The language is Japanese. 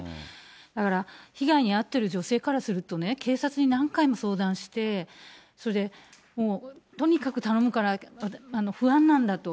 だから被害に遭っている女性からするとね、警察に何回も相談して、それでもうとにかく頼むから不安なんだと。